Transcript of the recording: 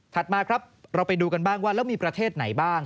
มาครับเราไปดูกันบ้างว่าแล้วมีประเทศไหนบ้าง